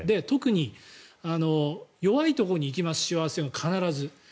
特に弱いところに行きますしわ寄せが、必ず。